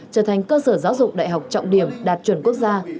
trở thành cơ sở giáo dục đại học trọng điểm đạt chuẩn quốc gia